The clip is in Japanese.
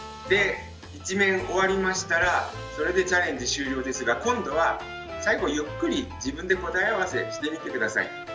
で１面終わりましたらそれでチャレンジ終了ですが今度は最後ゆっくり自分で答え合わせしてみて下さい。